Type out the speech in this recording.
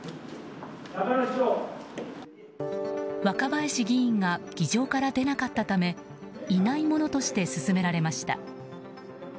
若林市議が議場から出なかったためいないものとして進められました。